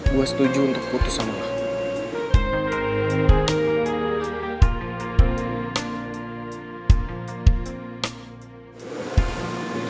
gue setuju untuk putus sama lo